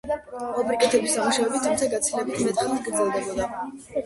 მოპირკეთების სამუშაოები თუმცა გაცილებით მეტ ხანს გრძელდებოდა.